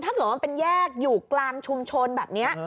ถ้าเกิดว่ามันเป็นแยกอยู่กลางชุมชนแบบนี้